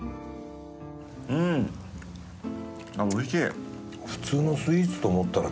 うんおいしい！